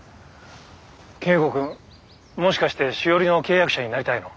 京吾君もしかしてしおりの契約者になりたいの？